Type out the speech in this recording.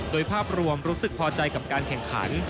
โดยภาพรวมรู้สึกพอใจกับการแข่งขัน